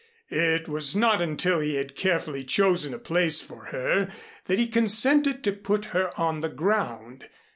It was not until he had carefully chosen a place for her that he consented to put her on the ground.